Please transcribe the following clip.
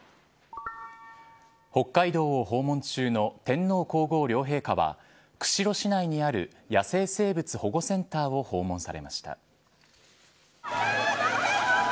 北海道を訪問中の天皇皇后両陛下は釧路市内にある野生生物保護センターを訪問されました。